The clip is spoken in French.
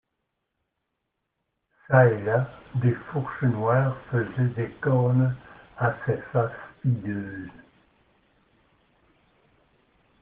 Çà et là, des fourches noires faisaient des cornes à ces faces hideuses.